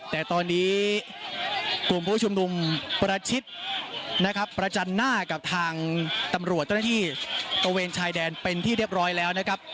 แต่ตอนนี้กลุ่มผู้ชุมนุมประชิดนะครับประจันหน้ากับทางตำรวจเจ้าหน้าที่ตระเวนชายแดนเป็นที่เรียบร้อยแล้วนะครับ